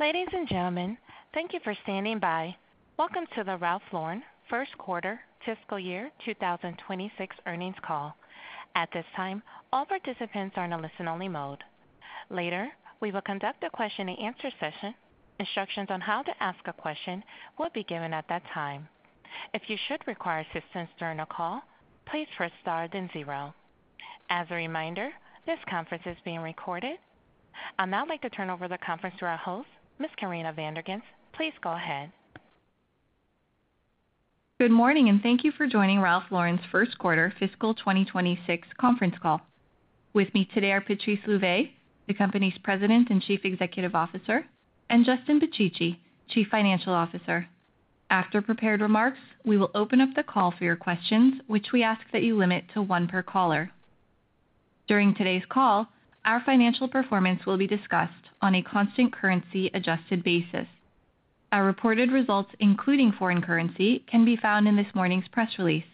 Ladies and gentlemen, thank you for standing by. Welcome to the Ralph Lauren Corporation first quarter fiscal year 2026 earnings call. At this time all participants are in a listen-only mode. Later we will conduct a question and answer session. Instructions on how to ask a question will be given at that time. If you should require assistance during the call, please press star then zero. As a reminder, this conference is being recorded. I would now like to turn over the conference to our host, Ms. Corinna Van der Ghinst. Please go ahead. Good morning and thank you for joining Ralph Lauren Corporation's first quarter fiscal 2026 conference call. With me today are Patrice Louvet, the company's President and Chief Executive Officer, and Justin Picicci, Chief Financial Officer. After prepared remarks, we will open up the call for your questions, which we ask that you limit to one per caller. During today's call, our financial performance will be discussed on a constant currency adjusted basis. Our reported results, including foreign currency, can be found in this morning's press release.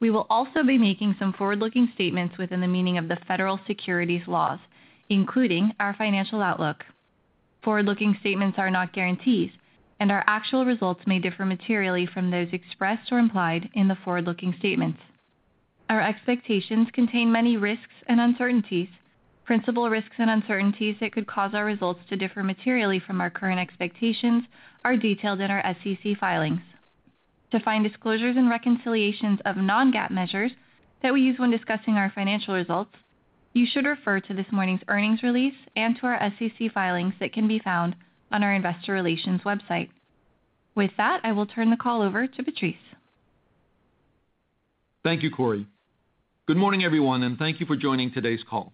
We will also be making some forward-looking statements within the meaning of the federal securities laws, including our financial outlook. Forward-looking statements are not guarantees and our actual results may differ materially from those expressed or implied in the forward-looking statements. Our expectations contain many risks and uncertainties. Principal risks and uncertainties that could cause our results to differ materially from our current expectations are detailed in our SEC filings. To find disclosures and reconciliations of non-GAAP measures that we use when discussing our financial results, you should refer to this morning's earnings release and to our SEC filings that can be found on our investor relations website. With that, I will turn the call over to Patrice. Thank you, Corey. Good morning, everyone, and thank you for joining today's call.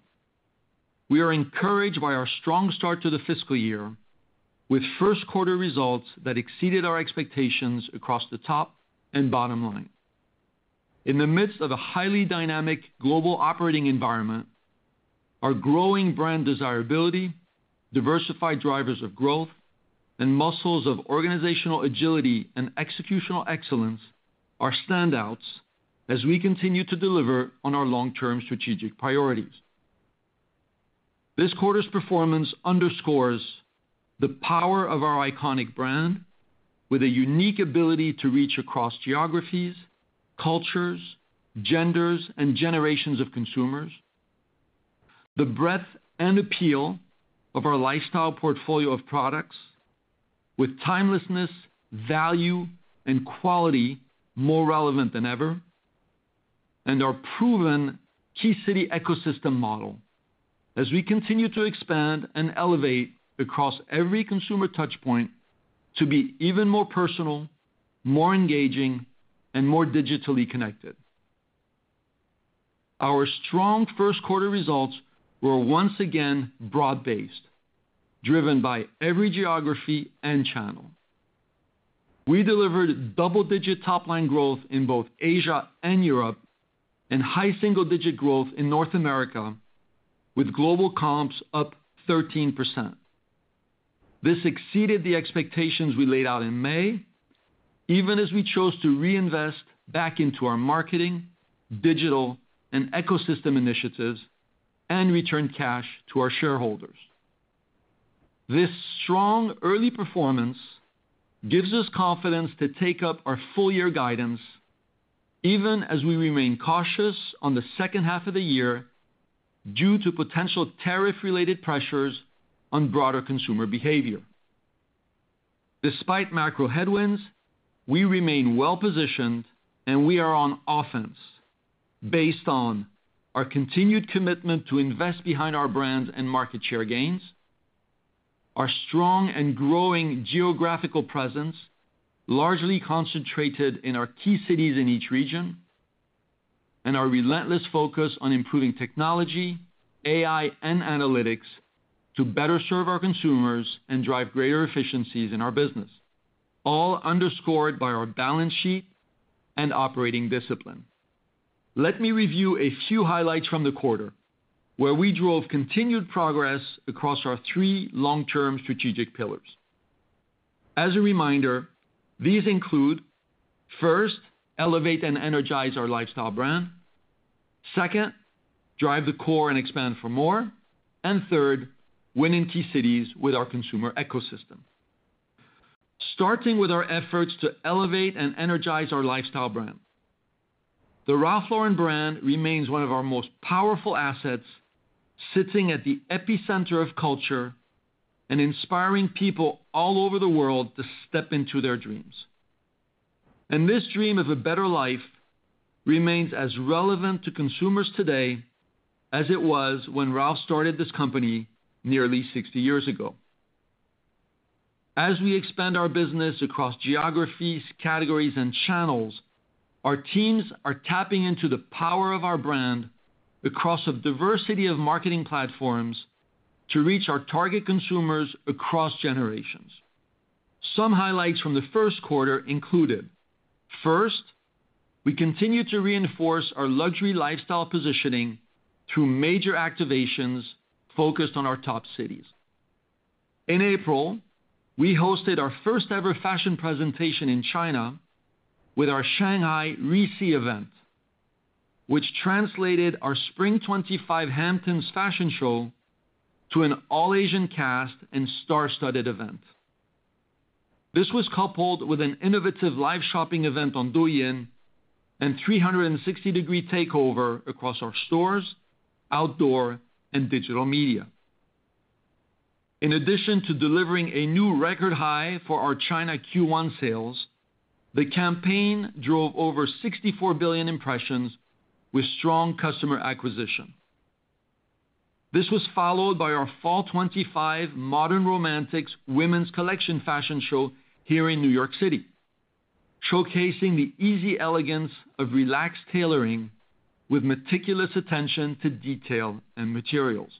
We are encouraged by our strong start to the fiscal year with first quarter results that exceeded our expectations across the top and bottom line In the midst of a highly dynamic global operating environment, our growing brand desirability, diversified drivers of growth, and muscles of organizational agility and executional excellence are standouts as we continue to deliver on our long term strategic priorities. This quarter's performance underscores the power of our iconic brand with a unique ability to reach across geographies, cultures, genders, and generations of consumers. The breadth and appeal of our lifestyle portfolio of products with timelessness, value, and quality are more relevant than ever, and our proven Key City ecosystem model as we continue to expand and elevate across every consumer touch point to be even more personal, more engaging, and more digitally connected. Our strong first quarter results were once again broad based, driven by every geography and channel. We delivered double digit top LINE growth in both Asia and Europe and high single digit growth in North America with global comps up 13%. This exceeded the expectations we laid out in May even as we chose to reinvest back into our marketing, digital, and ecosystem initiatives and return cash to our shareholders. This strong early performance gives us confidence to take up our full year guidance even as we remain cautious on the second half of the year due to potential tariff related pressures on broader consumer behavior. Despite macro headwinds, we remain well positioned and we are on offense based on our continued commitment to invest behind our brands and market share gains, our strong and growing geographical presence largely concentrated in our key cities in each region, and our relentless focus on improving technology, AI, and analytics to better serve our consumers and drive greater efficiencies in our business, all underscored by our balance sheet and operating discipline. Let me review a few highlights from the quarter where we drove continued progress across our three long term strategic pillars. As a reminder, these include first, elevate and energize our lifestyle brand, second, drive the core and expand for more, and third, win in key cities with our consumer ecosystem. Starting with our efforts to elevate and energize our lifestyle brand. The Ralph Lauren brand remains one of our most powerful assets, sitting at the epicenter of culture and inspiring people all over the world to step into their dreams. This dream of a better life remains as relevant to consumers today as it was when Ralph started this company nearly 60 years ago. As we expand our business across geographies, categories, and channels, our teams are tapping into the power of our brand across a diversity of marketing platforms to reach our target consumers across generations. Some highlights from the first quarter included, first, we continue to reinforce our luxury lifestyle positioning through major activations focused on our top cities. In April, we hosted our first ever fashion presentation in China with our Shanghai Re-See event, which translated our Spring 2025 Hamptons fashion show to an all-Asian cast and star-studded event. This was coupled with an innovative live shopping event on Douyin and a 360 degree takeover across our stores, outdoor, and digital media. In addition to delivering a new record high for our China Q1 sales, the campaign drove over 64 billion impressions with strong customer acquisition. This was followed by our Fall 2025 Modern Romantics Women’s Collection fashion show here in New York City, showcasing the easy elegance of relaxed tailoring with meticulous attention to detail and materials.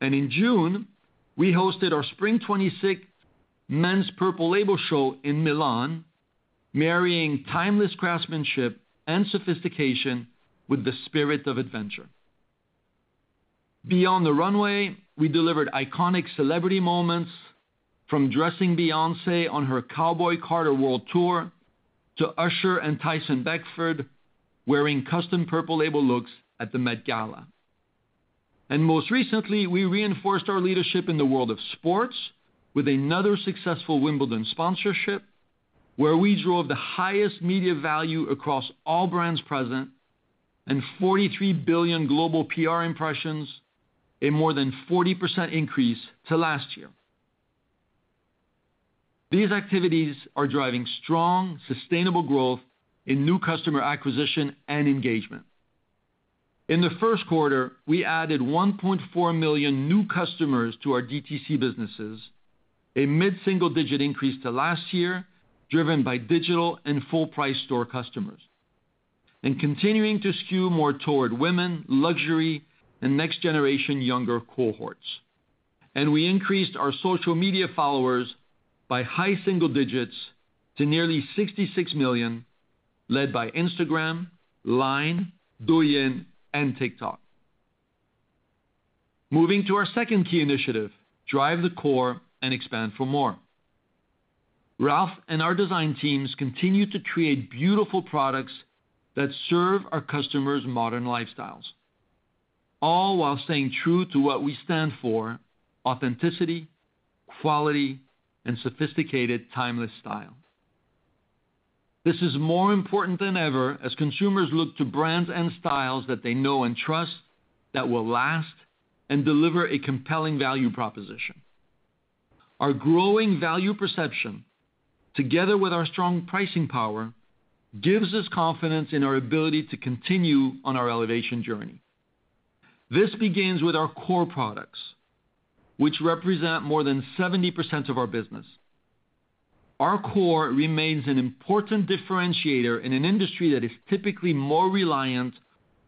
In June, we hosted our Spring 2026 Men’s Purple Label show in Milan, marrying timeless craftsmanship and sophistication with the spirit of adventure beyond the runway. We delivered iconic celebrity moments from dressing Beyoncé on her Cowboy Carter World Tour to Usher and Tyson Beckford wearing custom Purple Label looks at the Met Gala. Most recently, we reinforced our leadership in the world of sports with another successful Wimbledon sponsorship, where we drove the highest media value across all brands present and 43 billion global PR impressions, a more than 40% increase to last year. These activities are driving strong, sustainable growth in new customer acquisition and engagement. In the first quarter, we added 1.4 million new customers to our direct-to-consumer businesses, a mid-single-digit increase to last year driven by digital and full-price store customers and continuing to skew more toward women, luxury, and next-generation younger cohorts. We increased our social media followers by high single digits to nearly 66 million, led by Instagram, LINE, Douyin, and TikTok. Moving to our second key initiative, Drive the Core and expand for more, Ralph and our design teams continue to create beautiful products that serve our customers' modern lifestyles, all while staying true to what we stand for: authenticity, quality, and sophisticated timeless style. This is more important than ever as consumers look to brands and styles that they know and trust, that will last and deliver a compelling value proposition. Our growing value perception, together with our strong pricing power, gives us confidence in our ability to continue on our elevation journey. This begins with our core products, which represent more than 70% of our business. Our core remains an important differentiator in an industry that is typically more reliant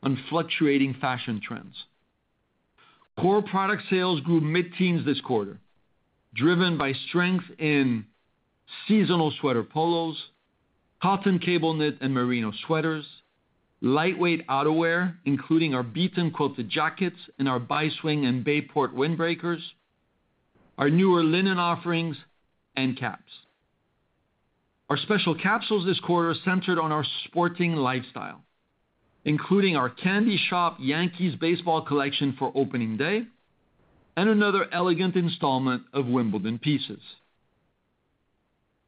on fluctuating fashion trends. Core product sales grew mid-teens this quarter, driven by strength in seasonal sweater polos, cotton, cable knit and merino sweaters, lightweight outerwear including our beaten quilted jackets and our Bi Swing and Bayport windbreakers, our newer linen offerings and caps. Our special capsules this quarter centered on our sporting lifestyle, including our Candy Shop Yankees baseball collection for opening day and another elegant installment of Wimbledon pieces.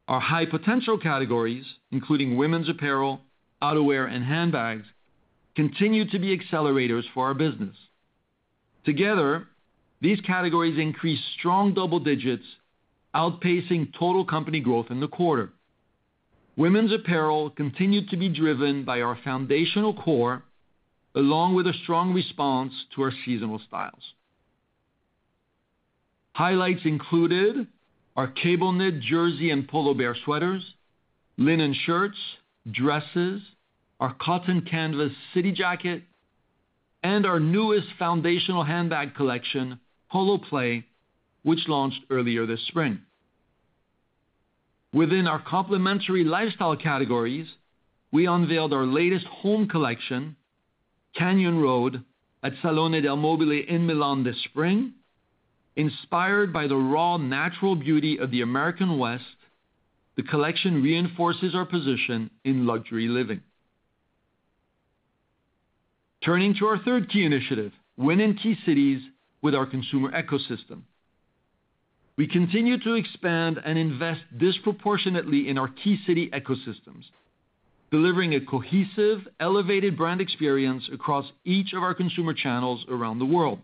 Our high potential categories, including women's apparel, outerwear, and handbags, continue to be accelerators for our business. Together, these categories increased strong double digits, outpacing total company growth in the quarter. Women's apparel continued to be driven by our foundational core along with a strong response to our seasonal styles. Highlights included our cable knit jersey and Polo Bear sweaters, linen shirts, shirt dresses, our cotton canvas city jacket, and our newest foundational handbag collection, Polo Play, which launched earlier this spring. Within our complementary lifestyle categories, we unveiled our latest home collection, Canyon Road, at Salone del Mobile in Milan this spring. Inspired by the raw natural beauty of the American West, the collection reinforces our position in luxury living. Turning to our third key initiative, Win in Key Cities with our consumer ecosystem, we continue to expand and invest disproportionately in our Key City ecosystems, delivering a cohesive, elevated brand experience across each of our consumer channels around the world.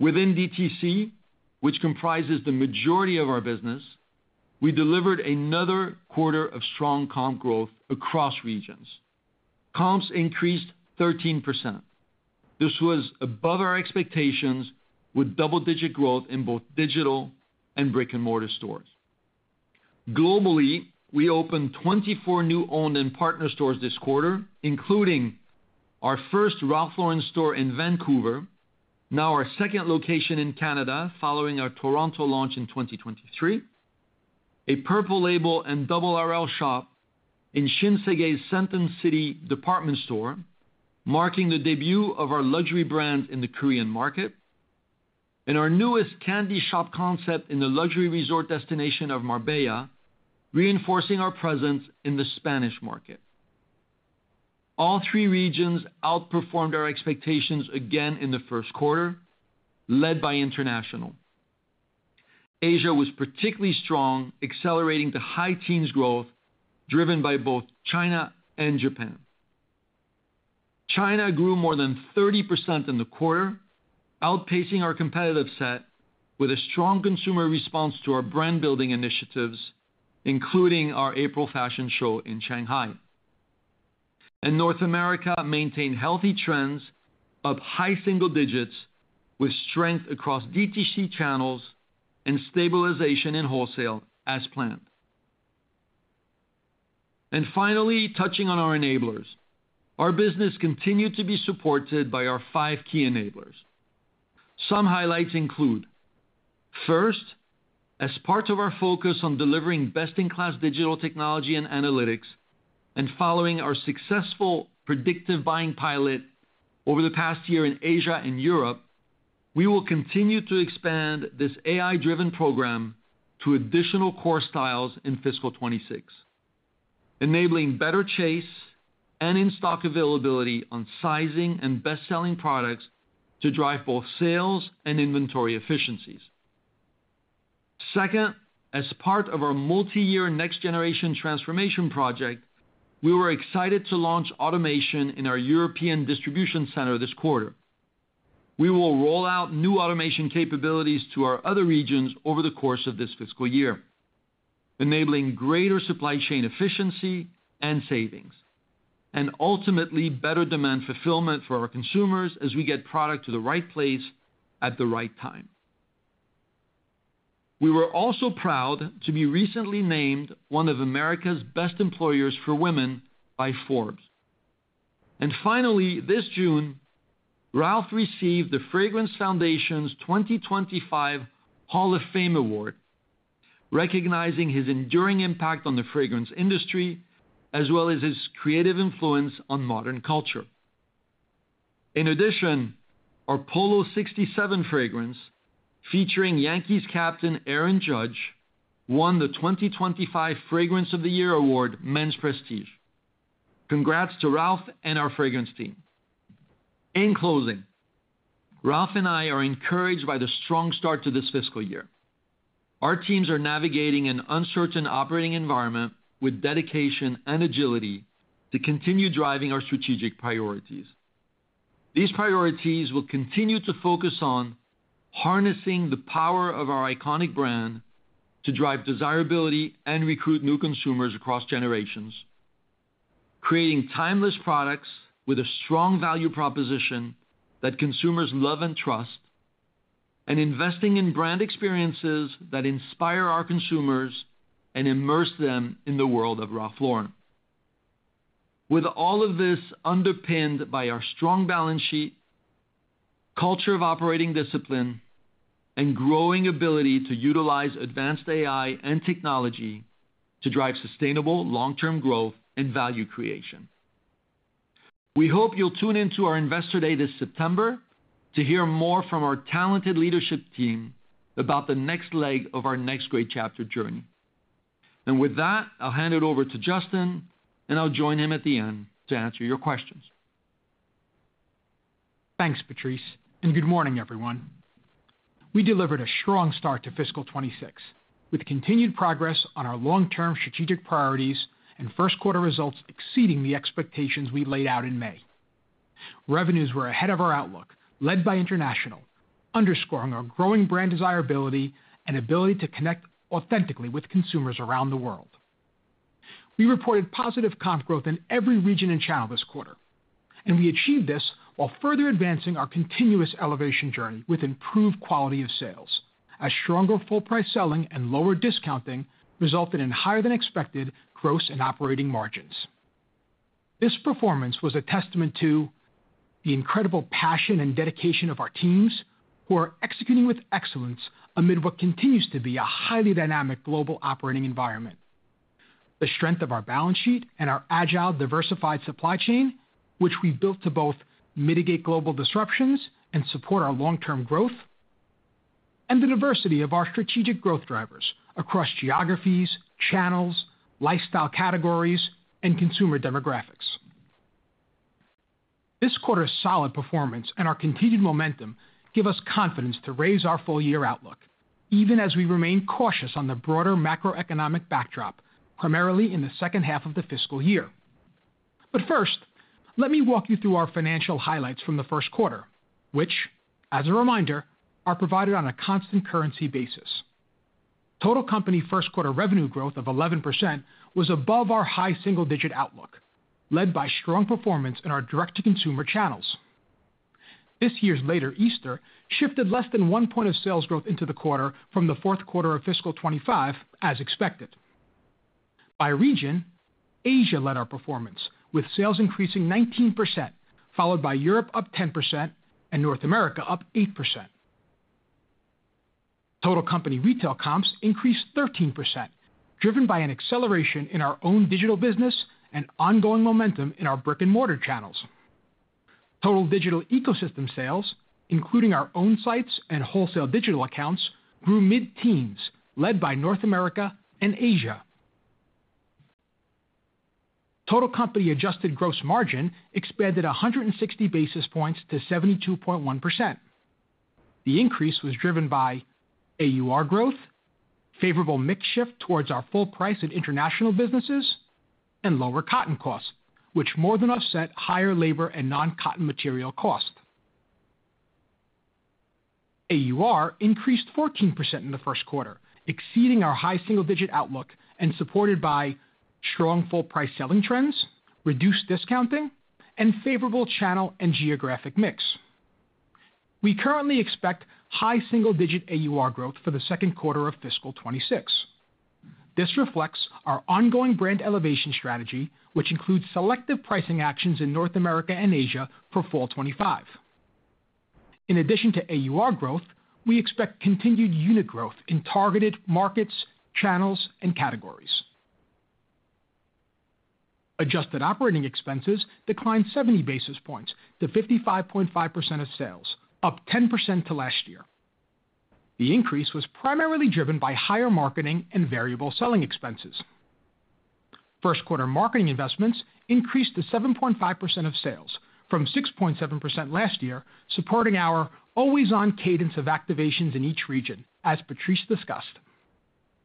Within direct-to-consumer (DTC), which comprises the majority of our business, we delivered another quarter of strong comp growth across regions. Comps increased 13%. This was above our expectations with double-digit growth in both digital and brick-and-mortar stores globally. We opened 24 new owned and partner stores this quarter, including our first Ralph Lauren store in Vancouver, now our second location in Canada following our Toronto launch in 2023, and a Purple Label and RRL shop in Shinsegae's Centum City department store, marking the debut of our luxury brands in the Korean market, and our newest candy shop concept in the luxury resort destination of Marbella, reinforcing our presence in the Spanish market. All three regions outperformed our expectations again in the first quarter, led by International. Asia was particularly strong, accelerating to high-teens growth driven by both China and Japan. China grew more than 30% in the quarter, outpacing our competitive set with a strong consumer response to our brand-building initiatives, including our April fashion show in Shanghai. North America maintained healthy trends, up high single digits, with strength across DTC channels and stabilization in wholesale as planned. Finally, touching on our enablers, our business continued to be supported by our five key enablers. Some highlights include, first, as part of our focus on delivering best-in-class digital technology and analytics, and following our successful predictive buying pilot over the past year in Asia and Europe, we will continue to expand this AI-driven program to additional core styles in fiscal 2026, enabling better chase and in-stock availability on sizing and best-selling products to drive both sales and inventory efficiencies. Second, as part of our multi-year Next Generation Transformation project, we were excited to launch automation in our European distribution center this quarter. We will roll out new automation capabilities to our other regions over the course of this fiscal year, enabling greater supply chain efficiency and savings and ultimately better demand fulfillment for our consumers as we get product to the right place at the right time. We were also proud to be recently named one of America's Best Employers for Women by Forbes. Finally, this June, Ralph received the Fragrance Foundation's 2025 Hall of Fame Award, recognizing his enduring impact on the fragrance industry as well as his creative influence on modern culture. In addition, our Polo 67 fragrance featuring Yankees captain Aaron Judge won the 2025 Fragrance of the Year Award Men's Prestige. Congrats to Ralph and our fragrance team. In closing, Ralph and I are encouraged by the strong start to this fiscal year. Our teams are navigating an uncertain operating environment with dedication and agility to continue driving our strategic priorities. These priorities will continue to focus on harnessing the power of our iconic brand to drive desirability and recruit new consumers across generations, creating timeless products with a strong value proposition that consumers love and trust, and investing in brand experiences that inspire our consumers and immerse them in the world of Ralph Lauren. All of this is underpinned by our strong balance sheet, culture of operating discipline, and growing ability to utilize advanced AI and technology to drive sustainable long term growth and value creation. We hope you'll tune into our Investor Day this September to hear more from our talented leadership team about the next leg of our next great chapter journey. With that, I'll hand it over to Justin and I'll join him at the end to answer your questions. Thanks Patrice and good morning everyone. We delivered a strong start to fiscal 2026 with continued progress on our long-term strategic priorities and first quarter results exceeding the expectations we laid out in May. Revenues were ahead of our outlook led by International, underscoring our growing brand desirability and ability to connect authentically with consumers around the world. We reported positive comp growth in every region and channel this quarter, and we achieved this while further advancing our continuous elevation journey with improved quality of sales as stronger full price selling and lower discounting resulted in higher than expected gross and operating margins. This performance was a testament to the incredible passion and dedication of our teams who are executing with excellence amid what continues to be a highly dynamic global operating environment, the strength of our balance sheet, and our agile diversified supply chain which we've built to both mitigate global disruptions and support our long-term growth, and the diversity of our strategic growth drivers across geographies, traffic channels, lifestyle categories, and consumer demographics. This quarter's solid performance and our continued momentum give us confidence to raise our full year outlook even as we remain cautious on the broader macroeconomic backdrop, primarily in the second half of the fiscal year. First, let me walk you through our financial highlights from the first quarter, which as a reminder are provided on a constant currency basis. Total company first quarter revenue growth of 11% was above our high single-digit outlook, led by strong performance in our direct-to-consumer channels. This year's later Easter shifted less than one point of sales growth into the quarter from the fourth quarter of fiscal 2025 as expected. By region, Asia led our performance with sales increasing 19%, followed by Europe up 10% and North America up 8%. Total company retail comps increased 13%, driven by an acceleration in our own digital business and ongoing momentum in our brick and mortar channels. Total digital ecosystem sales, including our own sites and wholesale digital accounts, grew mid-teens, led by North America and Asia. Total company adjusted gross margin expanded 160 basis points to 72.1%. The increase was driven by AUR growth, favorable mix shift towards our full price and international businesses, and lower cotton costs, which more than offset higher labor and non-cotton material cost. AUR increased 14% in the first quarter, exceeding our high single digit outlook and supported by strong full price selling trends, reduced discounting, and favorable channel and geographic mix. We currently expect high single digit AUR growth for the second quarter of fiscal 2026. This reflects our ongoing brand elevation strategy, which includes selective pricing actions in North America and Asia for fall 2025. In addition to AUR growth, we expect continued unit growth in targeted markets, channels, and categories. Adjusted operating expenses declined 70 basis points to 55.5% of sales, up 10% to last year. The increase was primarily driven by higher marketing and variable selling expenses. First quarter marketing investments increased to 7.5% of sales from 6.7% last year, supporting our always on cadence of activations in each region. As Patrice discussed,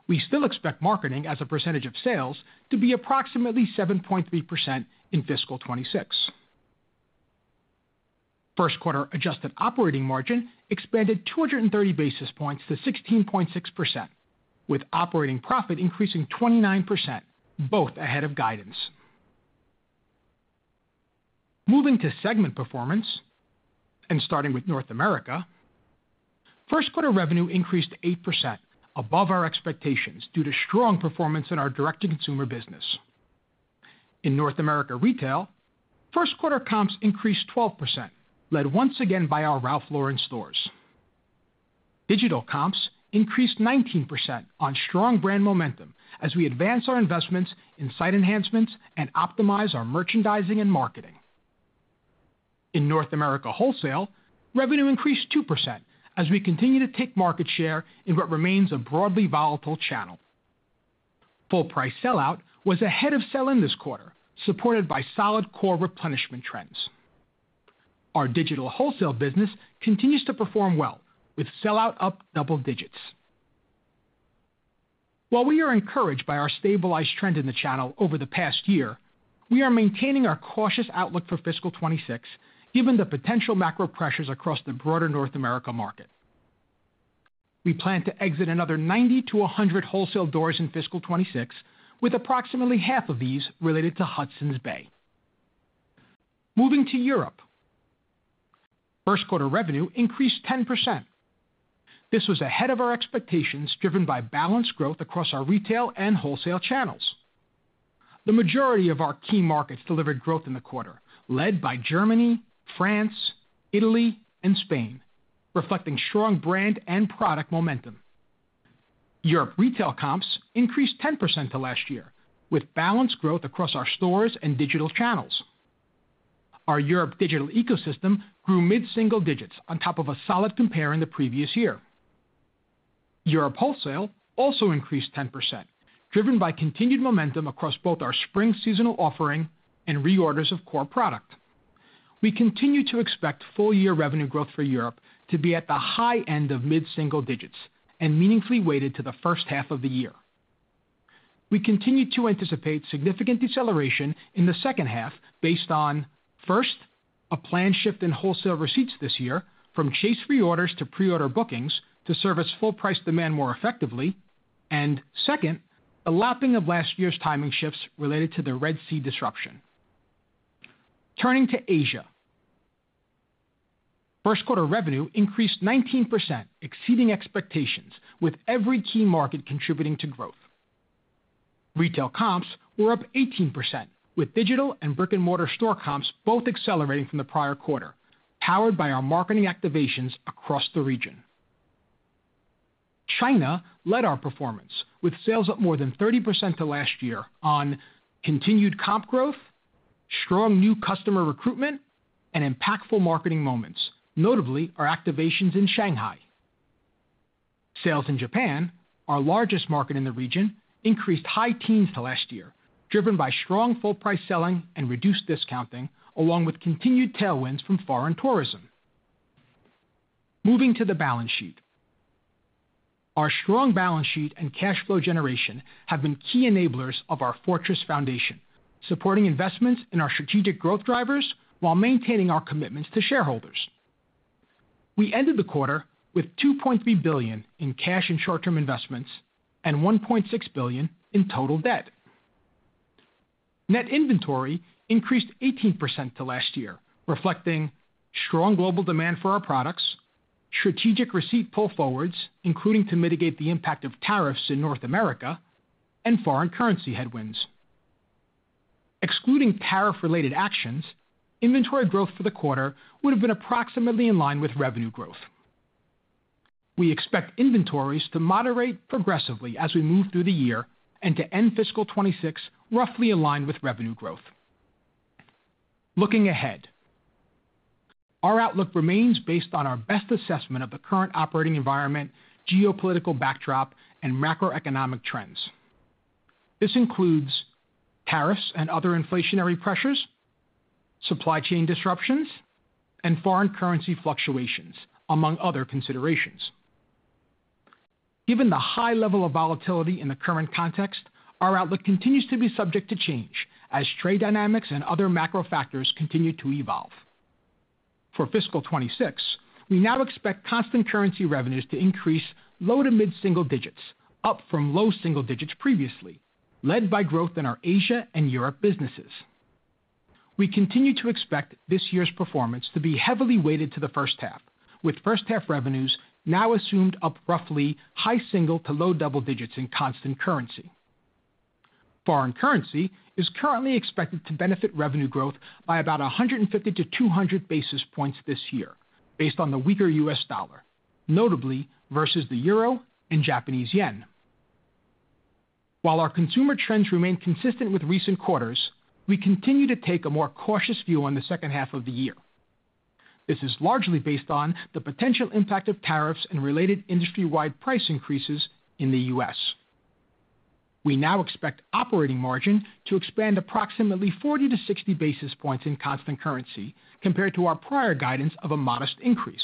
we still expect marketing as a percentage of sales to be approximately 7.3% in fiscal 2026. First quarter adjusted operating margin expanded 230 basis points to 16.6%, with operating profit increasing 29%, both ahead of guidance. Moving. To segment performance and starting with North America. First quarter revenue increased 8% above our expectations due to strong performance in our direct-to-consumer business. In North America, retail first quarter comps increased 12%, led once again by our Ralph Lauren stores. Digital comps increased 19% on strong brand momentum as we advance our investments in site enhancements and optimize our merchandising and marketing in North America. Wholesale revenue increased 2% as we continue to take market share in what remains a broadly volatile channel. Full price sellout was ahead of sell in this quarter, supported by solid core replenishment trends. Our digital wholesale business continues to perform well with sellout up double digits. While we are encouraged by our stabilized trend in the channel over the past year, we are maintaining our cautious outlook for fiscal 2026 given the potential macro pressures across the broader North America market. We plan to exit another 90-00 wholesale doors in fiscal 2026 with approximately half of these related to Hudson's Bay. Moving to Europe, first quarter revenue increased 10%. This was ahead of our expectations, driven by balanced growth across our retail and wholesale channels. The majority of our key markets delivered growth in the quarter, led by Germany, France, Italy, and Spain, reflecting strong brand and product momentum. Europe retail comps increased 10% to last year with balanced growth across our stores and digital channels. Our Europe digital ecosystem grew mid-single digits on top of a solid compare in the previous year. Europe wholesale also increased 10%, driven by continued momentum across both our spring seasonal offering and reorders of core product. We continue to expect full year revenue growth for Europe to be at the high end of mid-single digits and meaningfully weighted to the first half of the year. We continue to anticipate significant deceleration in the second half based on, first, a planned shift in wholesale receipts this year from chase reorders to preorder bookings to service full price demand more effectively and, second, the lapping of last year's timing shifts related to the Red Sea disruption. Turning to Asia, first quarter revenue increased 19%, exceeding expectations with every key market contributing to growth. Retail comps were up 18% with digital and brick-and-mortar store comps both accelerating from the prior quarter, powered by our marketing activations across the region. China led our performance with sales up more than 30% to last year on continued comp growth, strong new customer recruitment, and impactful marketing moments, notably our activations in Shanghai. Sales in Japan, our largest market in the region, increased high teens to last year, driven by strong full price selling and reduced discounting, along with continued tailwinds from foreign tourism. Moving to the balance sheet, our strong balance sheet and cash flow generation have been key enablers of our fortress foundation, supporting investments in our strategic growth drivers while maintaining our commitments to shareholders. We ended the quarter with $2.3 billion in cash and short term investments and $1.6 billion in total debt. Net inventory increased 18% to last year, reflecting strong global demand for our products and strategic receipt pull forwards, including to mitigate the impact of tariffs in North America and foreign currency headwinds. Excluding tariff related actions, inventory growth for the quarter would have been approximately in line with revenue growth. We expect inventories to moderate progressively as we move through the year and to end fiscal 2026 roughly aligned with revenue growth. Looking ahead, our outlook remains based on our best assessment of the current operating environment, geopolitical backdrop, and macroeconomic trends. This includes tariffs and other inflationary pressures, supply chain disruptions, and foreign currency fluctuations, among other considerations. Given the high level of volatility in the current context, our outlook continues to be subject to change as trade dynamics and other macro factors continue to evolve. For fiscal 2026, we now expect constant currency revenues to increase low to mid single digits, up from low single digits previously, led by growth in our Asia and Europe businesses. We continue to expect this year's performance to be heavily weighted to the first half, with first half revenues now assumed up roughly high single to low double digits in constant currency. Foreign currency is currently expected to benefit revenue growth by about 150-200 basis points this year based on the weaker U.S. dollar, notably versus the euro and Japanese yen. While our consumer trends remain consistent with recent quarters, we continue to take a more cautious view on the second half of the year. This is largely based on the potential impact of tariffs and related industry wide price increases. In the U.S. we now expect operating margin to expand approximately 40-60 basis points in constant currency compared to our prior guidance of a modest increase.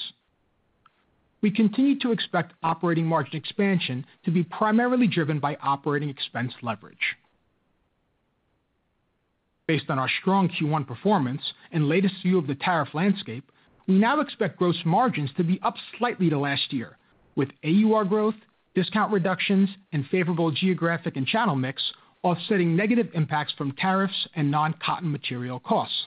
We continue to expect operating margin expansion to be primarily driven by operating expense leverage. Based on our strong Q1 performance and latest view of the tariff landscape, we now expect gross margins to be up slightly to last year with AUR growth, discount reductions, and favorable geographic and channel mix offsetting negative impacts from tariffs and non-cotton material costs.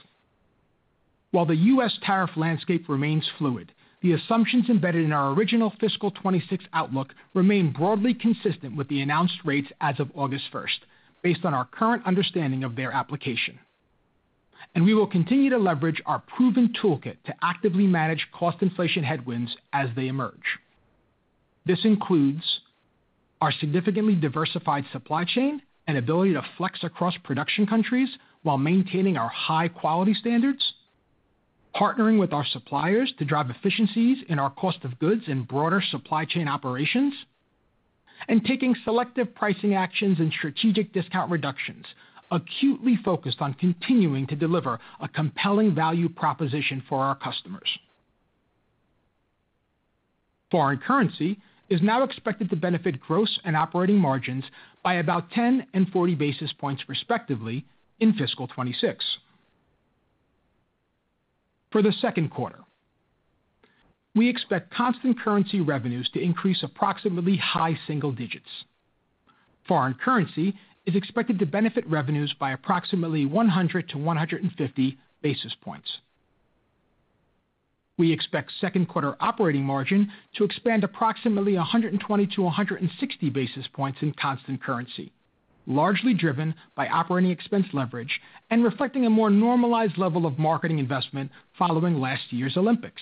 While the U.S. tariff landscape remains fluid, the assumptions embedded in our original fiscal 2026 outlook remain broadly consistent with the announced rates as of August 1 based on our current understanding of their application, and we will continue to leverage our proven toolkit to actively manage cost inflation headwinds as they emerge. This includes our significantly diversified supply chain and ability to flex across production countries while maintaining our high quality standards, partnering with our suppliers to drive efficiencies in our cost of goods in broader supply chain operations, and taking selective pricing actions and strategic discount reductions. Acutely focused on continuing to deliver a compelling value proposition for our customers. Foreign. Currency is now expected to benefit gross and operating margins by about 10-40 basis points respectively in fiscal 2026. For the second quarter, we expect constant currency revenues to increase approximately high single digits. Foreign currency is expected to benefit revenues by approximately 100-150 basis points. We expect second quarter operating margin to expand approximately 120-160 basis points in constant currency, largely driven by operating expense leverage and reflecting a more normalized level of marketing investment following last year's Olympics.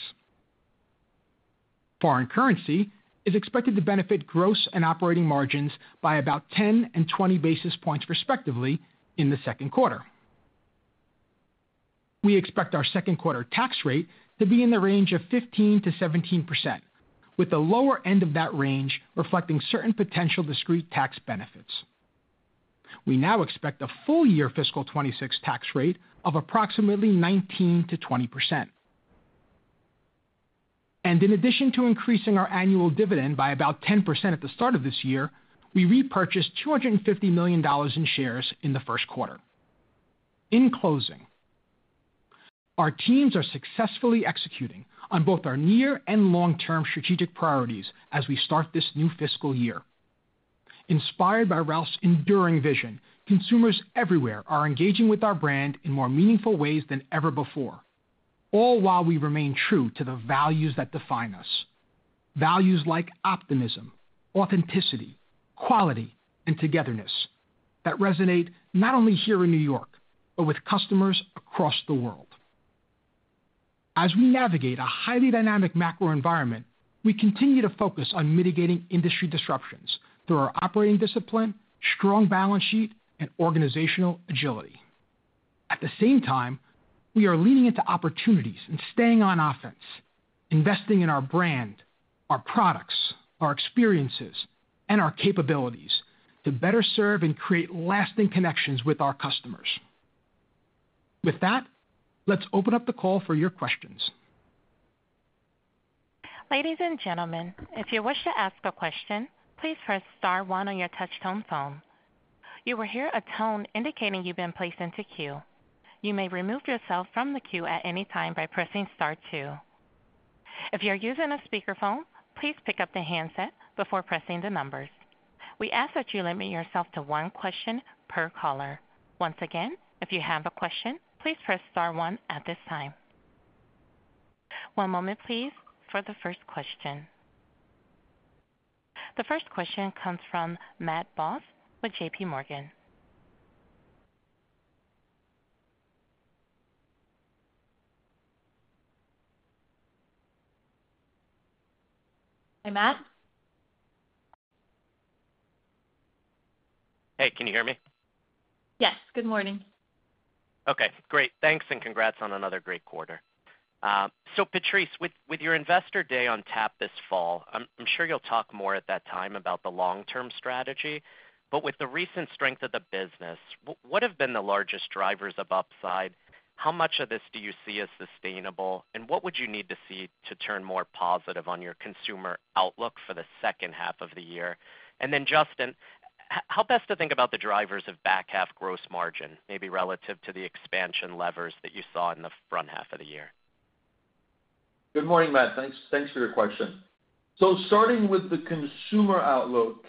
Foreign currency is expected to benefit gross and operating margins by about 10 and 20 basis points respectively in the second quarter. We expect our second quarter tax rate to be in the range of 15%-17% with the lower end of that range reflecting certain potential discrete tax benefits. We now expect a full year fiscal 2026 tax rate of approximately 19%-20%, and in addition to increasing our annual dividend by about 10% at the start of this year, we repurchased $250 million in shares in the first quarter. In closing, our teams are successfully executing on both our near and long term strategic priorities as we start this new fiscal year. Inspired by Ralph's enduring vision, consumers everywhere are engaging with our brand in more meaningful ways than ever before, all while we remain true to the values that define us. Values like optimism, authenticity, quality, and togetherness that resonate not only here in New York, but with customers across the world. As we navigate a highly dynamic macro environment, we continue to focus on mitigating industry disruptions through our operating discipline, strong balance sheet, and organizational agility. At the same time, we are leaning into opportunities and staying on offense, investing in our brand, our products, our experiences, and our capabilities to better serve and create lasting connections with our customers. With that, let's open up the call for your questions. Ladies and gentlemen, if you wish to ask a question, please press Star one on your touchtone phone. You will hear a tone indicating you've been placed into queue. You may remove yourself from the queue at any time by pressing Star two. If you are using a speakerphone, please pick up the handset before pressing the numbers. We ask that you limit yourself to one question per caller. Once again, if you have a question, please press Star one at this time. One moment please for the first question. The first question comes from Matt Boss with JPMorgan. Hi Matt. Hey, can you hear me? Yes, good morning. Okay, great, thanks. Congrats on another great quarter. Patrice, with your Investor Day on tap this fall, I'm sure you'll talk. More at that time about the long-term strategy. With the recent strength of the. Business, what have been the largest drivers of upside? How much of this do you see as sustainable, and what would you need? To see, to turn more positive on your consumer outlook for the second half of the year? Justin, how best to think about the drivers of back half gross margin, maybe relative to the expansion levers that you saw in the front half of the year? Good morning, Matt. Thanks for your question. Starting with the consumer outlook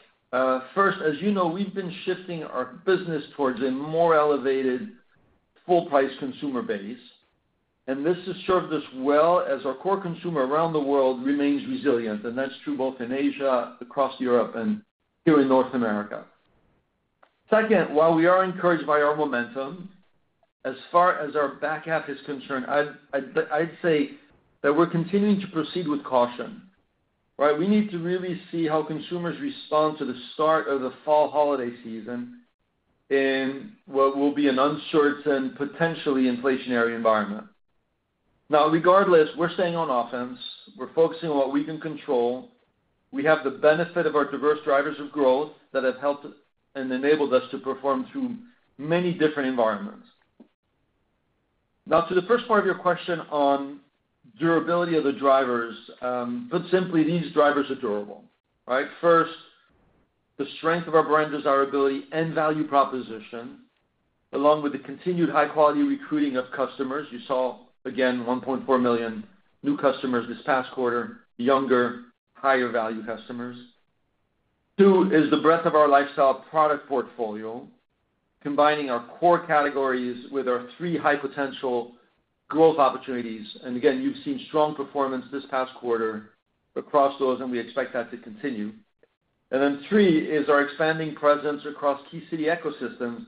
first, as you know, we've been shifting our business towards a more elevated full price consumer base, and this has served us well as our core consumer around the world remains resilient. That's true both in Asia, across Europe, and here in North America. While we are encouraged by our momentum, as far as our back half is concerned, I'd say that we're continuing to proceed with caution. We need to really see how consumers respond to the start of the fall holiday season in what will be an uncertain and potentially inflationary environment. Regardless, we're staying on offense. We're focusing on what we can control. We have the benefit of our diverse drivers of growth that have helped and enabled us to perform through many different environments. Now to the first part of your question. Question on durability of the drivers. Put simply, these drivers are durable, right? First, the strength of our brand desirability and value proposition, along with the continued high quality recruiting of customers. You saw again 1.4 million new customers this past quarter. Younger, higher value customers. Two is the breadth of our lifestyle product portfolio, combining our core categories with our three high potential growth opportunities. You have seen strong performance this past quarter across those, and we expect that to continue. Three is our expanding presence across Key City ecosystems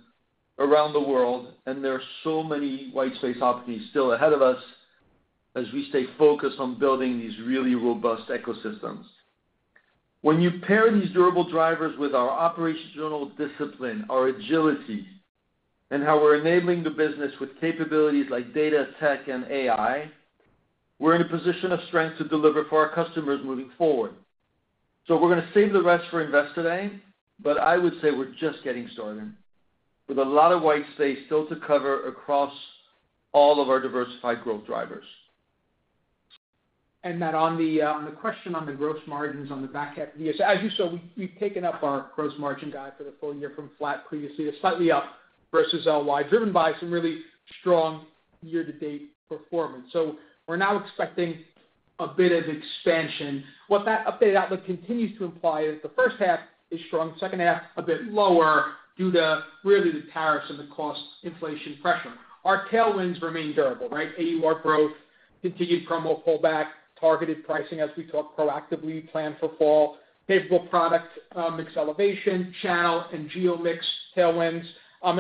around the world. There are so many white space opportunities still ahead of us as we stay focused on building these really robust ecosystems. When you pair these durable drivers with our operational discipline, our agility, and how we're enabling the business with capabilities like data tech and AI, we're in a position of strength to deliver for our customers moving forward. We are going to save the rest for Investor Day. I would say we're just getting started with a lot of white space still to cover across all of our diversified growth drivers. On the question on the gross margins on the back half years, as you saw, we've taken up our gross margin guide for the full year from flat previously to slightly up versus last year, driven by some really strong year to date performance. We're now expecting a bit of expansion. What that updated outlook continues to imply is the first half is strong, second half a bit lower due to really the tariffs and the cost inflation pressure. Our tailwinds remain durable, right? 81 growth, continued crumble, pullback, targeted pricing. As we talk, proactively plan for fall favorable product mix elevation, channel and geo mix tailwinds.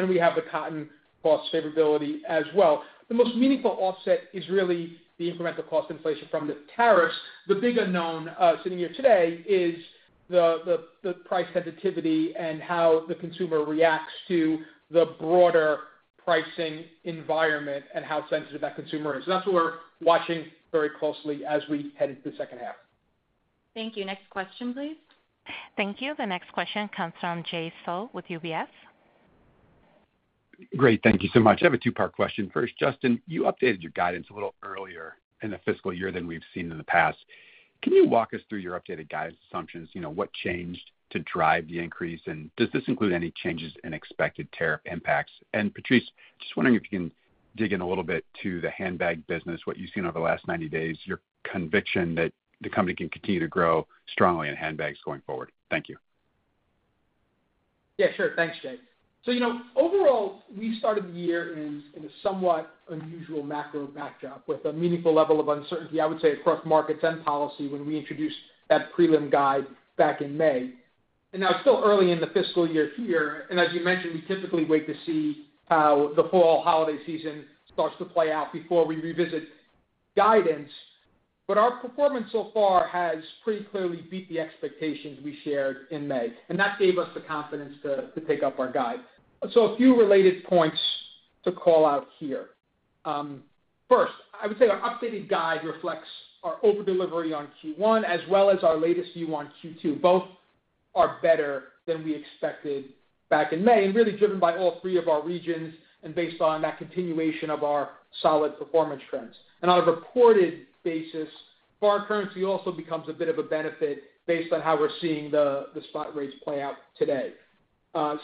We have the cotton favorability as well. The most meaningful offset is really the incremental cost inflation from the tariffs. The big unknown sitting here today is the price sensitivity and how the consumer reacts to the broader pricing environment and how sensitive that consumer is. That's what we're watching very closely. We head into the second half. Thank you. Next question, please. Thank you. The next question comes from Jay Sole with UBS. Great. Thank you so much. I have a two-part question. First, Justin, you updated your guidance. Little earlier in the fiscal year than we've seen in the past. Can you walk us through your updated guidance assumptions? You know, what changed to drive the increase, and does this include any changes in expected tariff impacts? Patrice, just wondering if you can dig in a little bit to the. Handbag business, what you've seen over the. Last 90 days, your conviction that the. Company can continue to grow strongly in handbags going forward. Thank you. Yeah, sure. Thanks, Jay. Overall, we started the year in a somewhat unusual macro backdrop with a meaningful level of uncertainty, I would say, across markets and policy when we introduced that prelim guide back in May. Now it's still early in the fiscal year here. As you mentioned, we typically wait to see how the fall holiday season starts to play out before we revisit guidance. Our performance so far has pretty clearly beat the expectations we shared in May, and that gave us the confidence to take up our guide. A few related points to call out here. First, I would say our updated guide reflects our over delivery on Q1 as well as our latest view on Q2. Both are better than we expected back in May and really driven by all three of our regions. Based on that continuation of our solid performance trends and on a reported basis, foreign currency also becomes a bit of a benefit based on how we're seeing the spot rates play out today.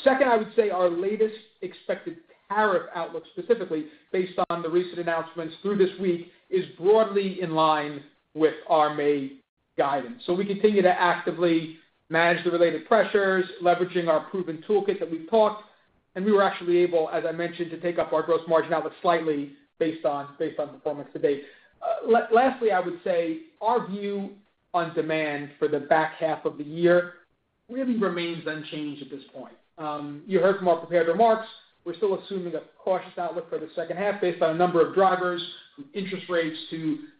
Second, I would say our latest expected tariff outlook, specifically based on the recent announcements through this week, is broadly in line with our May guidance. We continue to actively manage the related pressures, leveraging our proven toolkit that we've talked about, and we were actually able, as I mentioned, to take up our gross margin outlook slightly based on performance to date. Lastly, I would say our view on demand for the back half of the year really remains unchanged at this point. You heard from our prepared remarks, we're still assuming a core cautious outlook for the second half based on a number of drivers: interest rates,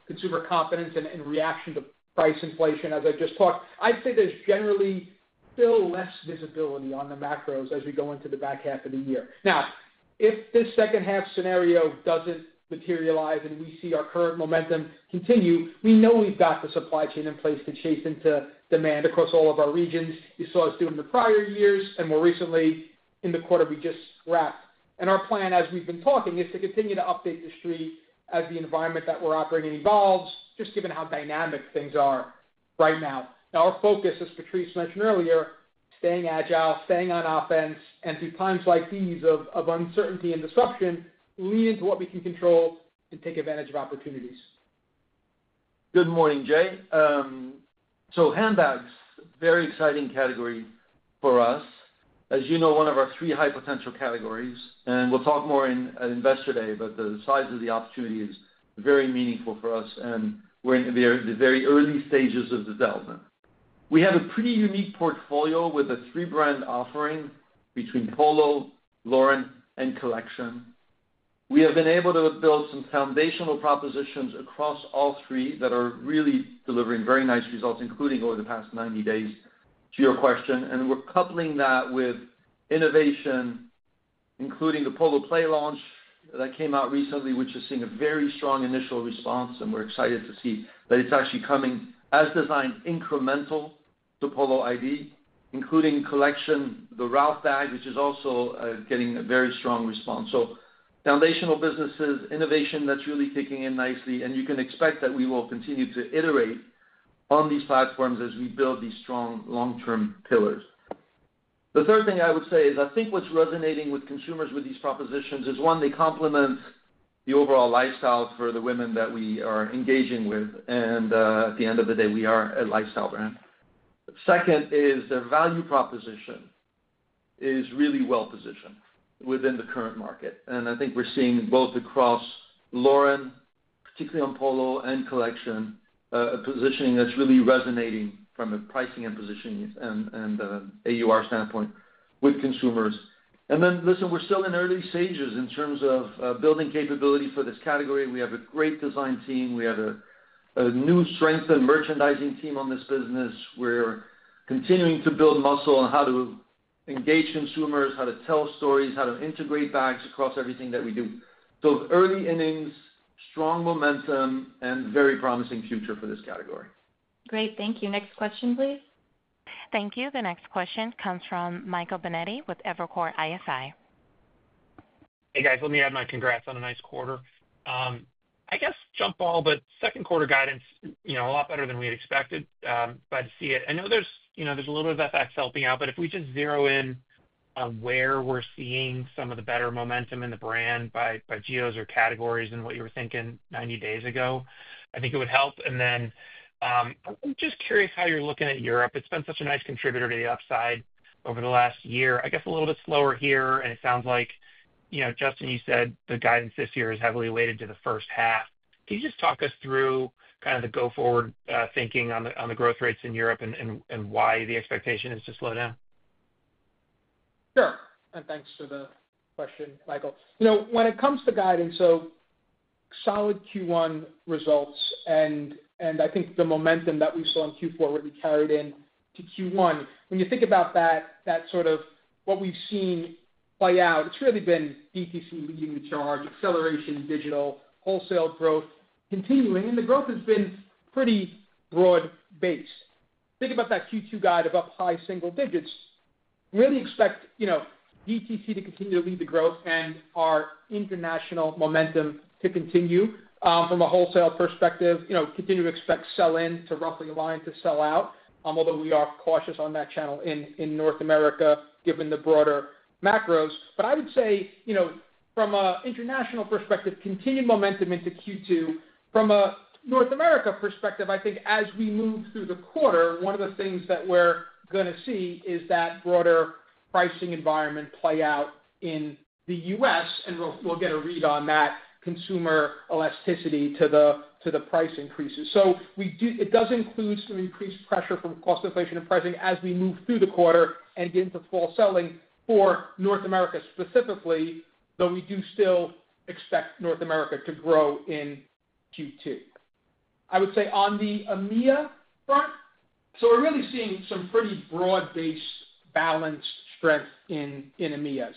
consumer confidence, and reaction to price inflation. As I just talked about, I'd say there's generally still less visibility on the macros as we go into the back half of the year. If this second half scenario doesn't materialize and we see our current momentum continue, we know we've got the supply chain in place to chase into demand across all of our regions, as you saw us do in the prior years and more recently in the quarter we just wrapped. Our plan, as we've been talking, is to continue to update the street as the environment that we're operating in evolves, just given how dynamic things are right now. Our focus, as Patrice mentioned earlier, is staying agile, staying on offense, and through times like these of uncertainty and disruption, leaning into what we can control and taking advantage of opportunities. Good morning, Jay. Handbags, very exciting category for us, as you know, one of our three high potential categories and we'll talk more at Investor Day. The size of the opportunity is very meaningful for us and we're in the very early stages of development. We have a pretty unique portfolio with a three brand offering between Polo, Lauren, and Collection. We have been able to build some foundational propositions across all three that are really delivering very nice results, including over the past 90 days to your question. We're coupling that with innovation, including the Polo Play launch that came out recently, which is seeing a very strong initial response. We're excited to see that it's actually coming as designed incremental to Polo ID, including Collection, the Ralph bag, which is also getting a very strong response. Foundational businesses, innovation, that's really kicking in nicely and you can expect that we will continue to iterate on these platforms as we build these strong long term pillars. The third thing I would say is I think what's resonating with consumers with these propositions is, one, they complement the overall lifestyle for the women that we are engaging with and at the end of the day we are a lifestyle brand. Second is their value proposition is really well positioned within the current market. I think we're seeing both across Lauren, particularly on Polo and Collection, a positioning that's really resonating from a pricing and positioning and average unit retail (AUR) standpoint with consumers. We're still in early stages in terms of building capability for this category. We have a great design team, we have a new strength and merchandising team on this business. We're continuing to build muscle on how to engage consumers, how to tell stories, how to integrate bags across everything that we do. Early innings, strong momentum and very promising future for this category. Great, thank you. Next question please. Thank you. The next question comes from Michael Binetti with Evercore ISI. Hey guys, let me add my congrats. On a nice quarter, I guess jump. Second quarter guidance, you know, a lot better than we expected. I know there's you. Know there's a little bit of FX helping out, but if we just zero. On where we're seeing some of the better momentum in the brand. GEOs or categories and what you were thinking 90 days ago, I think it would help. I'm just curious how you're looking at Europe. It's been such a nice contributor to the upside over the last year. I guess a little bit slower here, and it sounds like, Justin, you said the guidance this year is heavily weighted. To the first half, can you just talk us through kind? Of the go forward thinking on the. Growth rates in Europe and why the. Expectation is to slow down? Sure. Thanks for the question, Michael. When it comes to guidance, solid Q1 results and I think the momentum that we saw in Q4 really carried into Q1. When you think about that, what we've seen play out, it's really been direct-to-consumer leading the charge, acceleration, digital wholesale growth continuing, and the growth has been pretty broad based. Think about that Q2 guide of up high single digits. Really expect direct-to-consumer to continue to lead the growth and our international momentum to continue. From a wholesale perspective, continue to expect sell-in to roughly align to sell-out, although we are cautious on that channel in North America given the broader macros. I would say from an international perspective, continued momentum into Q2. From a North America perspective, I think as we move through the quarter, one of the things that we're going to see is that broader pricing environment play out in the U.S., and we'll get a read on that consumer elasticity to the price increases. It does include some increased pressure from cost inflation and pricing as we move through the quarter and get into full selling for North America. Specifically, though, we do still expect North America to grow in Q2. I would say on the EMEA front, we're really seeing some pretty broad based balanced strength in EMEA.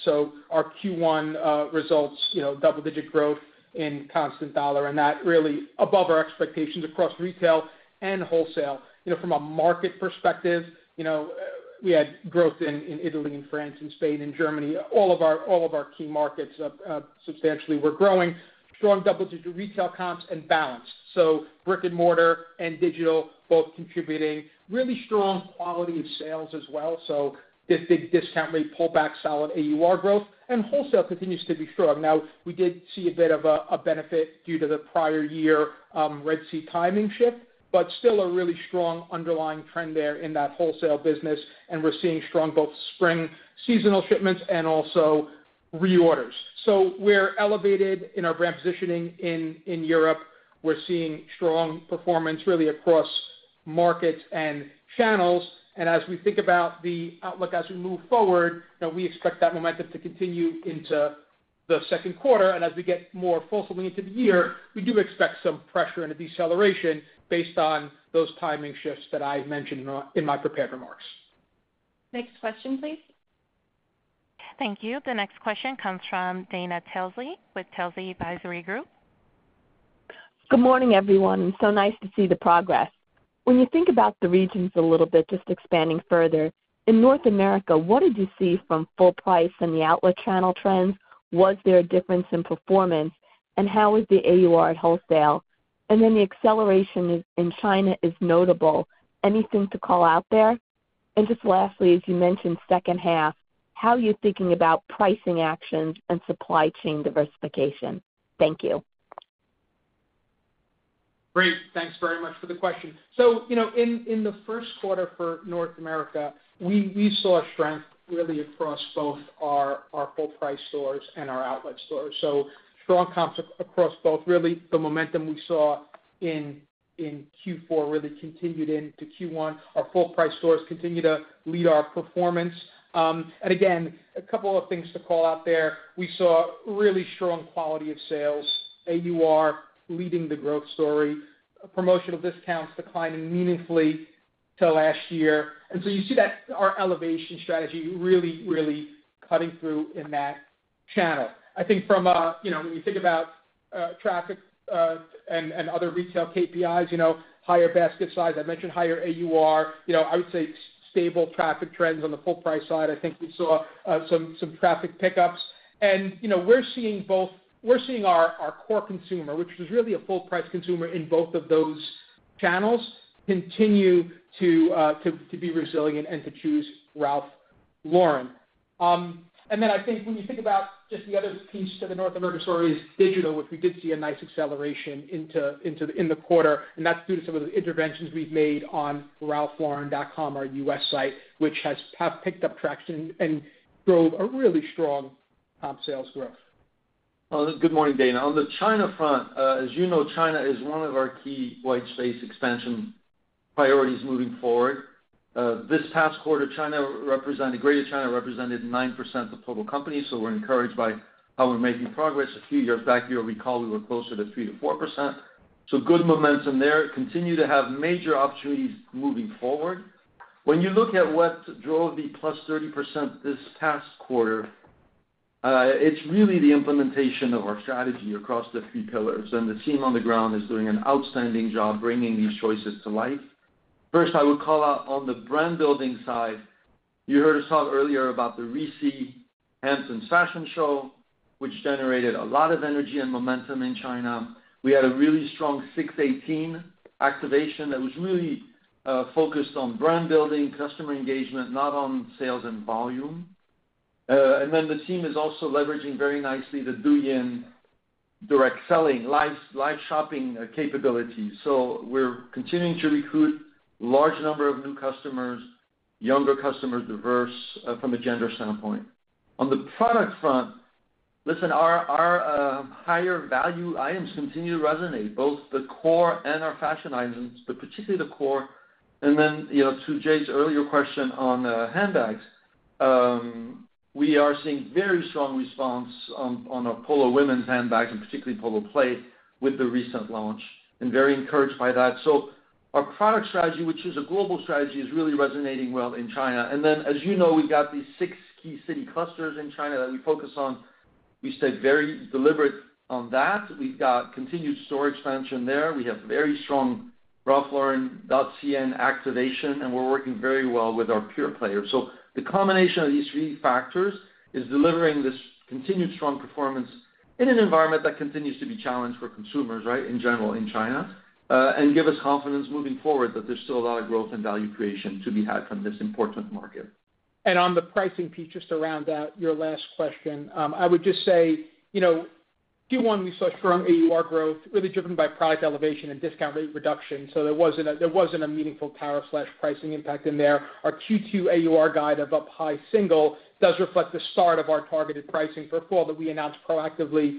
Our Q1 results were double digit growth in constant dollar, and that was really above our expectations across retail and wholesale. From a market perspective, we had growth. In Italy, France, Spain, and Germany. All of our key markets substantially were growing strong double-digit retail comps and balance. Brick and mortar and digital both contributing really strong quality of sales as well. This big discount rate pullback, solid AUR growth, and wholesale continues to be strong. We did see a bit of a benefit due to the prior year Red Sea timing shift, but still a really strong underlying trend there in that wholesale business. We're seeing strong both spring seasonal shipments and also reorders. We're elevated in our brand positioning. In Europe, we're seeing strong performance really across markets and channels. As we think about the outlook as we move forward, we expect that momentum to continue into the second quarter. As we get more fulfilling into the year, we do expect some pressure and a deceleration based on those timing shifts that I've mentioned in my prepared remarks. Next question please. Thank you. The next question comes from Dana Telsey with Telsey Advisory Group. Good morning everyone. So nice to see the progress. When you think about the regions a little bit, just expanding further in North America, what did you see from full price and the outlet channel trends? Was there a difference in performance, and how is the AUR at wholesale? The acceleration in China is notable. Anything to call out there? Just lastly, as you mentioned second half, how are you thinking about pricing actions and supply chain diversification? Thank you. Great. Thanks very much for the question. In the first quarter for North America, we saw strength really across both our full price stores and our outlet stores. Strong comps across both, the momentum we saw in Q4 really continued into Q1. Our core price stores continue to lead our performance. A couple of things to call out there: we saw really strong quality of sales, AUR leading the growth story, promotional discounts declining meaningfully to last year. You see that our elevation strategy is really, really cutting through in that channel. I think when you think about traffic and other retail KPIs, higher basket size, I mentioned higher AUR, I would say stable traffic trends. On the full price side, I think we saw some traffic pickups and we're seeing both, we're seeing our core consumer, which is really a full price consumer in both of those channels, continue to be resilient and to choose Ralph Lauren. When you think about just the other piece to the North American story, it is digital, which we did see a nice acceleration in the quarter and that's due to some of the interventions we've made on ralphlauren.com, our U.S. site, which has picked up traction and drove a. Really strong sales growth. Good morning Dana. On the China front, as you know, China is one of our key white space expansion priorities moving forward. This past quarter, Greater China represented 9% of the total company. We're encouraged by how we're making progress. A few years back, you'll recall we were closer to 3-4%. Good momentum there. We continue to have major opportunities moving forward. When you look at what drove the +30% this past quarter, it's really the implementation of our strategy across the three pillars, and the team on the ground is doing an outstanding job bringing these choices to life. First, I would call out on the brand building side, you heard us talk earlier about the Re-See event and the fashion show, which generated a lot of energy and momentum in China. We had a really strong 618 activation that was really focused on brand building and customer engagement, not on sales and volume. The team is also leveraging very nicely the Douyin direct selling, live shopping capabilities. We're continuing to recruit a large number of new customers, younger customers, diverse from a gender standpoint. On the product front, our higher value items continue to resonate, both the core and our fashion items, but particularly the core. To Jay's earlier question on handbags, we are seeing very strong response on our Polo women's handbags and particularly Polo Play with the recent launch and are very encouraged by that. Our product strategy, which is a global strategy, is really resonating well in China. As you know, we've got these six key city clusters in China that we focus on. We stay very deliberate on that. We've got continued store expansion in there. We have very strong Ralph Lauren CN activation, and we're working very well with our pure players. The combination of these three factors is delivering this continued strong performance in an environment that continues to be challenged for consumers in general in China and gives us confidence moving forward that there's still a lot of growth and value creation to be had from this important market. On the pricing piece just to round out your last question, I would just say, you know, Q1, we saw strong growth really driven by product elevation and discount rate reduction. There wasn't a meaningful tariff pricing impact in there. Our Q2 AUR guide of up high single does reflect the start of our targeted pricing for fall that we announced proactively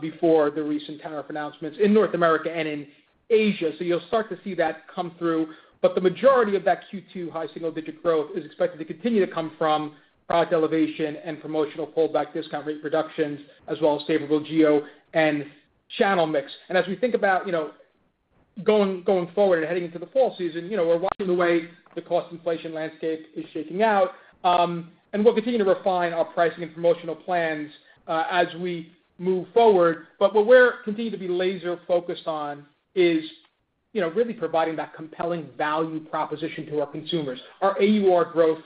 before the recent tenor of announcements in North America and in Asia. You'll start to see that come through. The majority of that Q2 high single digit growth is expected to continue to come from product elevation and promotional pullback, discount rate reductions as well as favorable geo and channel mix. As we think about going forward and heading into the fall season, we're watching the way the cost inflation landscape is shaking out and we'll continue to refine our pricing and promotional plans as we move forward. What we continue to be laser focused on is really providing that compelling value proposition to our consumers. Our AUR growth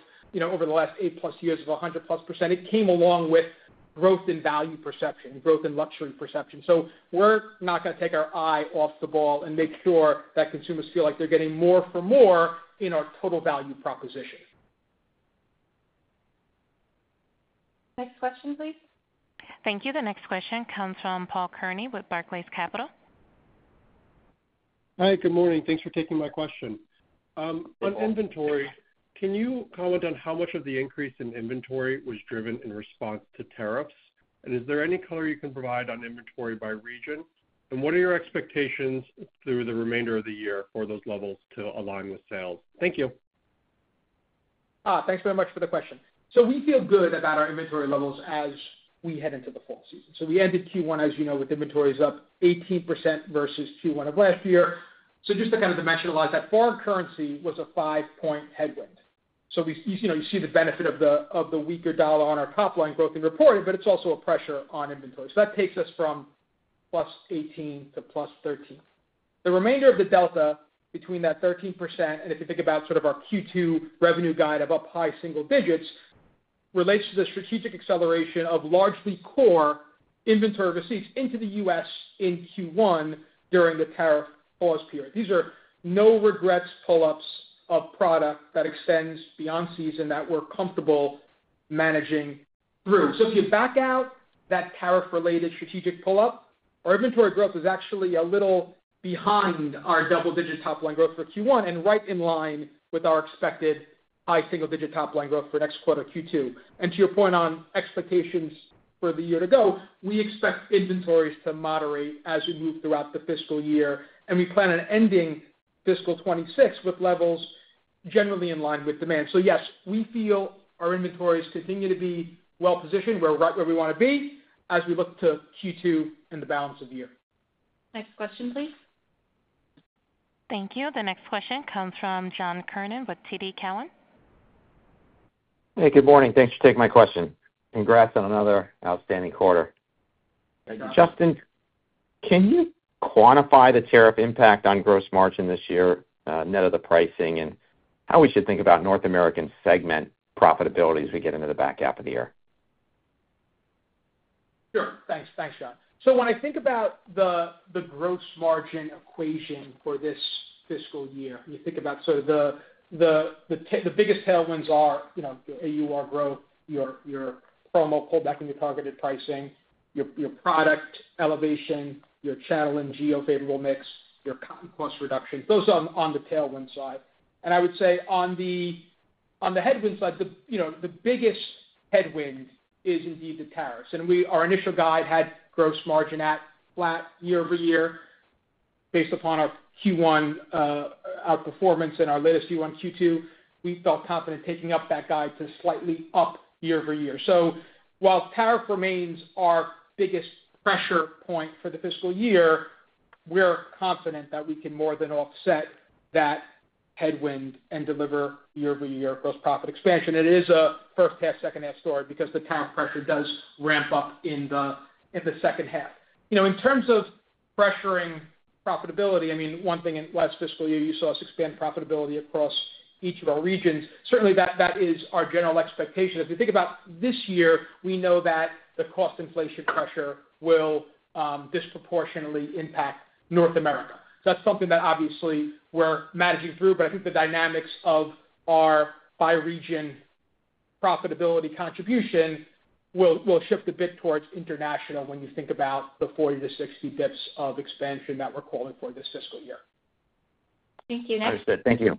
over the last eight plus years of 100+% came along with growth in value perception, growth in luxury perception. We're not going to take our eye off the ball and will make sure that consumers feel like they're getting more for more in our total value proposition. Next question please. Thank you. The next question comes from Paul Kearney with Barclays Capital. Hi, good morning. Thanks for taking my question on inventory. Can you comment on how much of it. The increase in inventory was driven in response to tariffs. Is there any color you can provide on inventory by region, and what are your expectations through the remainder of the year for those levels to align with sales? Thank you. Thanks very much for the question. We feel good about our inventory levels as we head into the fall season. We ended Q1, as you know, with inventories up 18% versus Q1 of last year. To kind of dimensionalize that, foreign currency was a five point headwind. You see the benefit of the weaker dollar on our top LINE growth in reported, but it's also a pressure on inventory. That takes us from +18% to +13%. The remainder of the delta between that 13%, and if you think about our Q2 revenue guide of up high single digits, relates to the strategic acceleration of largely core inventory receipts into the U.S. in Q1 during the tariff pause period. These are no regrets pull ups of product that extends beyond season that we're comfortable managing through. If you back out that tariff related strategic pull up, our inventory growth is actually a little behind our double digit top LINE growth for Q1 and right in line with our expected high single digit top LINE growth for next quarter, Q2. To your point on expectations for the year to go, we expect inventories to moderate as we move throughout the fiscal year and we plan on ending fiscal 2026 with levels generally in line with demand. Yes, we feel our inventories continue to be well positioned. We're right where we want to be as we look to Q2 and the. Balance of the year. Next question please. Thank you. The next question comes from John Kernan with TD Cowen. Hey, good morning. Thanks for taking my question. Congrats on another outstanding quarter. Justin, can you quantify the tariff impact? On gross margin this year, net of the pricing, and how we should think. About North American segment profitability as we get into the back half of the year? Sure. Thanks. Thanks, John. When I think about the gross margin equation for this fiscal year, the biggest tailwinds are AUR growth, promo pullback in targeted pricing, product elevation, channel and geo favorable mix, and cotton cost reductions. Those are on the tailwind side. On the headwind side, the biggest headwind is indeed the tariffs. Our initial guide had gross margin at flat year-over-year. Based upon our Q1 outperformance and our latest year on Q2, we felt confident taking up that guide to slightly up year-over-year. While tariff remains our biggest pressure point for the fiscal year, we're confident that we can more than offset that headwind and deliver year-over-year gross profit expansion. It is a first half, second half story because the tariff pressure does ramp up in the second half in terms of pressuring profitability. One thing in last fiscal year, you saw us expand profitability across each of our regions. Certainly, that is our general expectation. If you think about this year, we know that the cost inflation pressure will disproportionately impact North America. That's something that we're managing through. I think the dynamics of our by region profitability contribution will shift a bit towards international when you think about the 40-60 bps of expansion that we're calling for this fiscal year. Thank you. Understood. Thank you.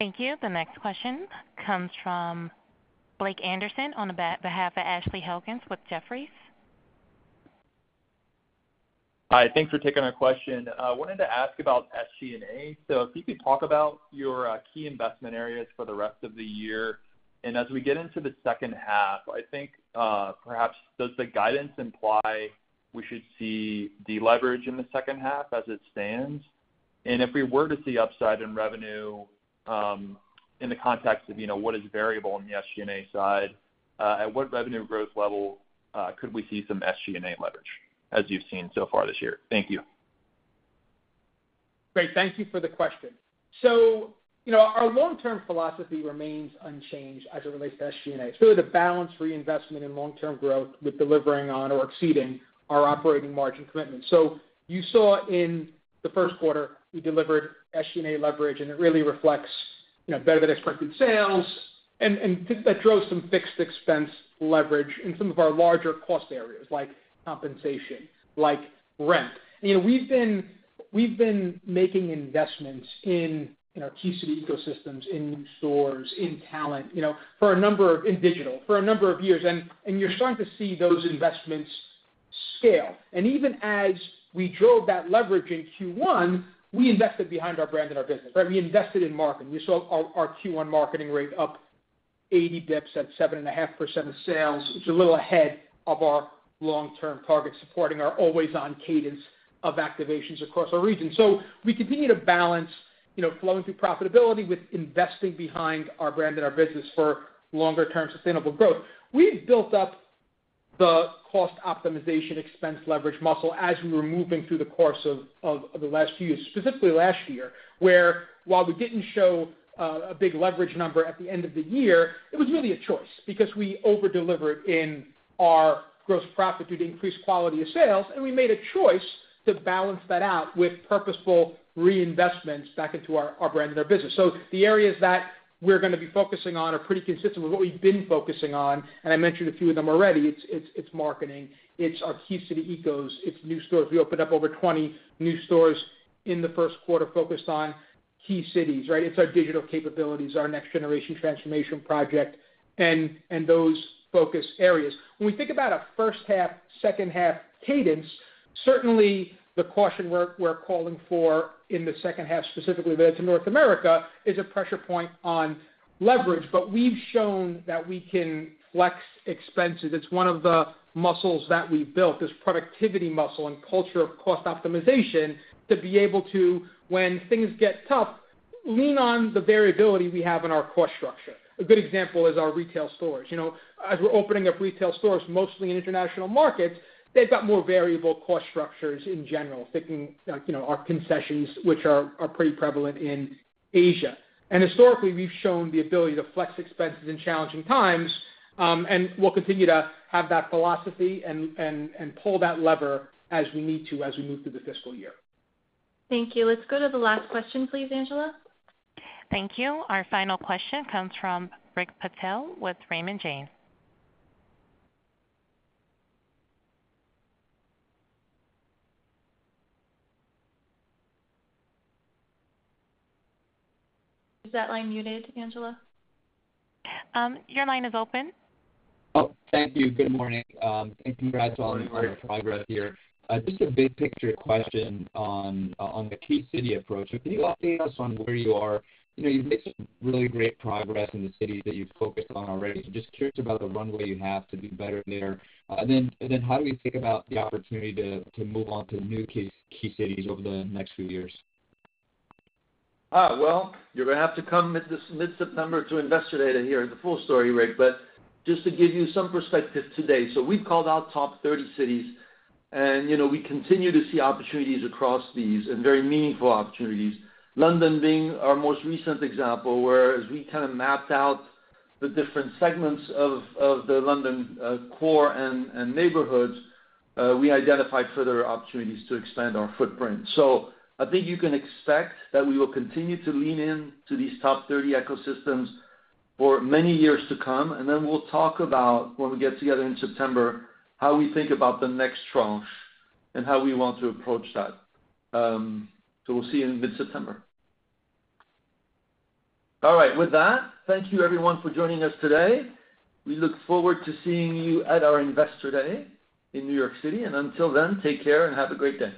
Thank you. The next question comes from Blake Anderson on behalf of Ashley Helgens with Jefferies. Hi, thanks for taking our question. I wanted to ask about SG&A If you could talk about your key. Investment areas for the rest of the year and as we get into the second half, I think perhaps does the guidance imply we should see deleverage in the second half as it stands, and if we were to see upside in revenue in the context of, you know, what is variable on the SG&A side, at what revenue growth level could we see some SG&A leverage as you've seen so far this year. Thank you. Great, thank you for the question. You know our long-term philosophy remains unchanged as it relates to SG&A. It's really the balanced reinvestment in long. Term growth with delivering on or exceeding. What are our operating margin commitments? You saw in the first quarter you delivered SG&A leverage and it really reflects better than expected sales and that drove some fixed expense leverage in some of our larger cost areas like compensation, like rent. We've been making investments in our Key City ecosystems, in stores, in talent, in digital, for a number of years and you're starting to see those investments scale. Even as we drove that leverage in Q1, we invested behind our brand and our business. We invested in marketing. You saw our Q1 marketing rate up 80 bps at 7.5% of sales. It's a little ahead of our long-term target, supporting our always-on cadence of activations across our regions. We continue to balance flowing through profitability with investing behind our brand and our business for longer-term sustainable growth. We've built up the cost optimization expense leverage muscle as we were moving through the course of the last few years, specifically last year where, while we didn't show a big leverage number at the end of the year, it was really a choice because we over-delivered in our gross profit due to increased quality of sales and we made a choice to balance that out with purposeful reinvestments back into our brand and our business. The areas that we're going to be focusing on are pretty consistent with what we've been focusing on and I mentioned a few of them already. It's marketing, it's our Key City ecosystems, it's new stores. We opened up over 20 new stores in the first quarter focused on key cities. It's our digital capabilities, our Next Generation Transformation project and those focus areas. When we think about a first half, second half cadence, certainly the caution we're calling for in the second half, specifically that's in North America, is a pressure point on leverage. We've shown that we can flex expenses. It's one of the muscles that we built, this productivity muscle and culture of cost optimization to be able to, when things get tough, lean on the variability we have in our cost structure. A good example is our retail stores. As we're opening up retail stores mostly in international markets, they've got more variable cost structures in general, picking our concessions which are pretty prevalent in Asia. Historically we've shown the ability to flex expenses in challenging times and we'll continue to have that philosophy and pull that lever as we need to. We move through the fiscal year. Thank you. Let's go to the last question, please, Angela. Thank you. Our final question comes from Rick Patel with Raymond James. Is that line muted? Angela, your line is open. Oh, thank you. Good morning, and congrats on the progress here. Just a big picture question on the key city approach. Can you update us on where you are? You've made some really great progress. The city that you've focused on already. Just curious about the runway. You have to do better there. How do we think about the opportunities to move on to new. Key cities over the next few years? You're going to have to come mid September to Investor Day and hear the full story, Rick. Just to give you some perspective today, we've called out top 30 cities and you know, we continue to see opportunities across these and very meaningful opportunities, London being our most recent example where as we kind of mapped out the different segments of the London core and neighborhoods, we identified further opportunities to expand our footprint. I think you can expect that we will continue to lean in to these top 30 ecosystems for many years to come. We'll talk about when we get together in September, how we think about the next trough and how we want to approach that. We'll see you in mid September. All right. With that, thank you, everyone for joining us today. We look forward to seeing you at our Investor Day in New York City. Until then, take care and have a great day.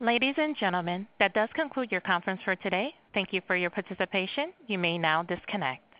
Ladies and gentlemen, that does conclude your conference for today. Thank you for your participation. You may now disconnect.